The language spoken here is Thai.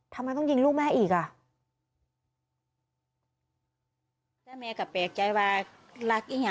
ทำไมต้องยิงลูกแม่อีกอ่ะ